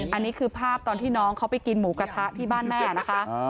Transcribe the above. อันนี้คือภาพตอนที่น้องเขาไปกินหมูกระทะที่บ้านแม่นะคะ